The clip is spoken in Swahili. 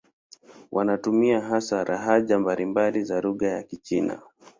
Wanatumia hasa lahaja mbalimbali za lugha ya Kichina.